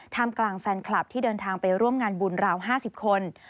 กลางแฟนคลับที่เดินทางไปร่วมงานบุญราว๕๐คน